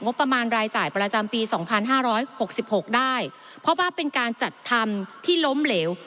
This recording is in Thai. ประมาณรายจ่ายประจำปีสองพันห้าร้อยหกสิบหกได้เพราะว่าเป็นการจัดทำที่ล้มเหลว